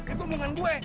itu umungan gue